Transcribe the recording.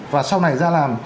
và sau này ra làm